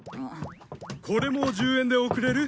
これも１０円で送れる？